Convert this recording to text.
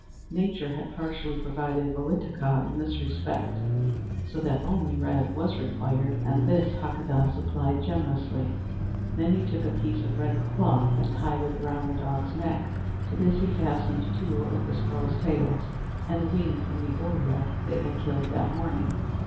Nature had partially provided Ohitika in this respect, so that only red was required and this Hakadah supplied generously. Then he took off a piece of red cloth and tied it around the dog's neck; to this he fastened two of the squirrels' tails and a wing from the oriole they had killed that morning.